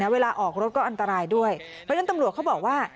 เวลาออกรถก็อันตรายด้วยเพราะฉะนั้นตำรวจเขาบอกว่า